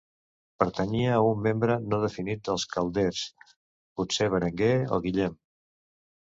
Pertanyia a un membre no definit dels Calders, potser Berenguer o Guillem.